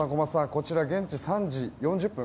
こちら現地３時４０分